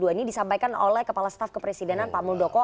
ini disampaikan oleh kepala staf kepresidenan pak muldoko